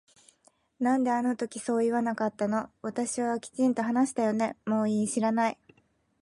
なんであの時そう言わなかったの私はきちんと話したよねもういい知らない